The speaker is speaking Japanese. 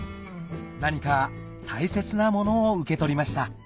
何か大切なものを受け取りました